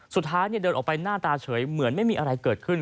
สุดท้ายเดินออกไปหน้าตาเฉยเหมือนไม่มีอะไรเกิดขึ้น